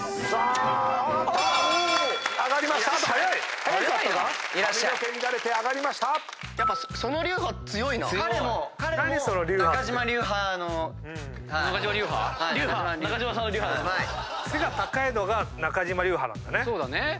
そうだね。